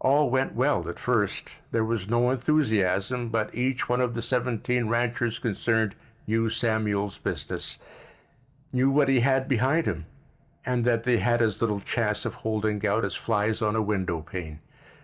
All went well at first. There was no enthusiasm, but each one of the seventeen ranchers concerned knew Samuel's business, knew what he had behind him, and that they had as little chance of holding out as flies on a window pane.